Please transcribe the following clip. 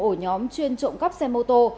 ổ nhóm chuyên trộm cắp xe mô tô